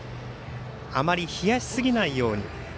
あまり冷やし過ぎないように。